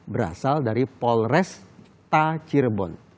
berasal dari polres tachirebon